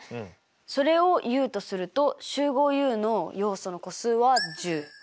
それをＵとすると集合Ｕの要素の個数は１０。